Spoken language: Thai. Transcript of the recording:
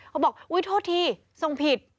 เขาบอกอุ๊ยโทษทีทรงผิด